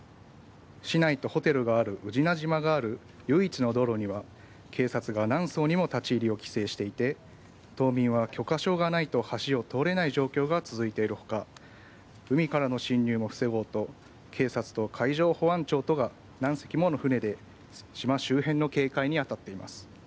市内とホテルがある宇品島がある唯一の道路には警察が何層にも立ち入りを規制していて島民は許可証がないと橋を通れない状況が続いているほか海からの侵入も防ごうと警察と海上保安庁とが何隻もの船で島周辺の警戒に当たっています。